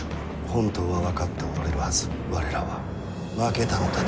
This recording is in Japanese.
本当は分かっておられるはず我らは負けたのだと。